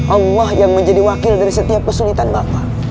allah yang menjadi wakil dari setiap kesulitan bapak